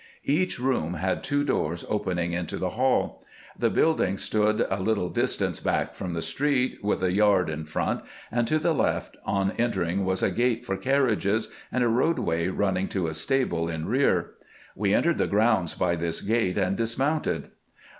Each room had two doors opening into the hall. The build THE SOPA IN THE McLBAN HOUSE. 472 CAMPAIGNING WITH GEANT ing stood a little distance back from the street, with a yard in front, and to the left on entering was a gate for carriages, and a roadway running to a stable in rear. We entered the grounds by this gate, and dismounted.